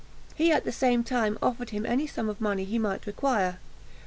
He at the same time offered him any sum of money he might require.